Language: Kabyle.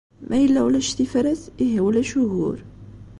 Ma yella ulac tifrat, ihi ulac ugur.